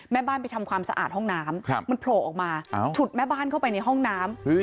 แม่บ้านไปทำความสะอาดห้องน้ำมันโผล่ออกมาฉุดแม่บ้านเข้าไปในห้องน้ำ